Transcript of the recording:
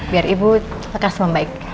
biar ibu lekas membaikkan